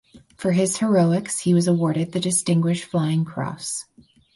For his heroics he was awarded the Distinguished Flying Cross.